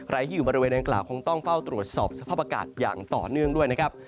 ใครที่อยู่บริเวณดังกล่าวคงต้องเฝ้าตรวจสอบสภาพอากาศอย่างต่อเนื่องด้วยนะครับ